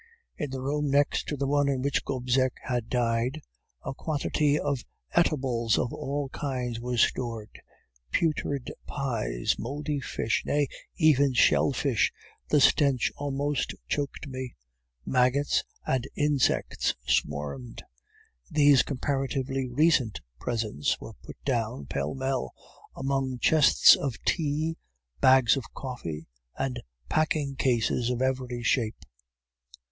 "In the room next to the one in which Gobseck had died, a quantity of eatables of all kinds were stored putrid pies, mouldy fish, nay, even shell fish, the stench almost choked me. Maggots and insects swarmed. These comparatively recent presents were put down, pell mell, among chests of tea, bags of coffee, and packing cases of every shape.